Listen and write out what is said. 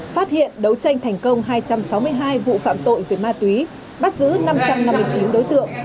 phát hiện đấu tranh thành công hai trăm sáu mươi hai vụ phạm tội về ma túy bắt giữ năm trăm năm mươi chín đối tượng